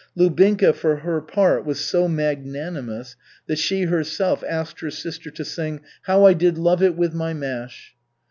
Lubinka, for her part, was so magnanimous that she herself asked her sister to sing, "How I did love it with my mash."